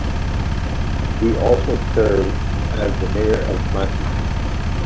He also served as the mayor of Mati.